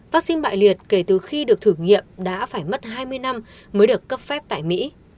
vaccine bại liệt kể từ khi được thử nghiệm đã phải mất hai mươi năm mới được cấp phép tại mỹ